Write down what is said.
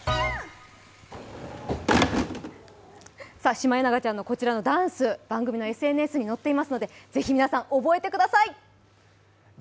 シマエナガちゃんのダンス、番組のＳＮＳに載っていますので是非、皆さん覚えてください！